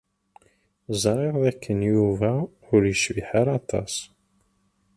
Ẓriɣ dakken Yuba ur yecbiḥ ara aṭas.